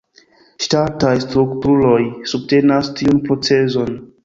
Ŝtataj strukturoj subtenas tiun procezon.